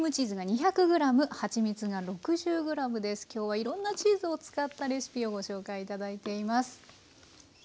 今日はいろんなチーズを使ったレシピをご紹介頂いています。